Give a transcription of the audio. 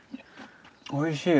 おいしい。